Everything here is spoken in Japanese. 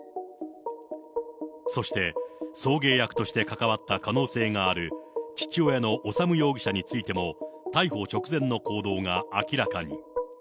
そして送迎役として関わった可能性がある父親の修容疑者についても、逮捕直前の行動が明らかに。